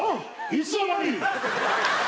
いつの間に！